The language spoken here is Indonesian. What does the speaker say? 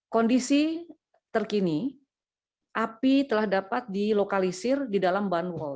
kondisi terkini api telah dapat dilokalisir di dalam banwall